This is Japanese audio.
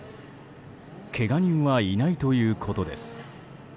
けが人はいないということです。